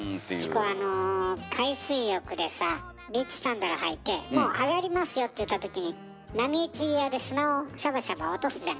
チコあの海水浴でさビーチサンダル履いてもうあがりますよっていったときに波打ち際で砂をシャバシャバ落とすじゃない？